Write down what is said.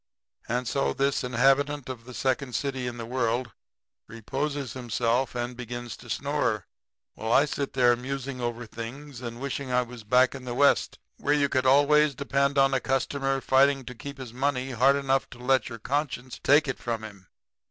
"And so this inhabitant of the second city in the world reposes himself and begins to snore, while I sit there musing over things and wishing I was back in the West, where you could always depend on a customer fighting to keep his money hard enough to let your conscience take it from him.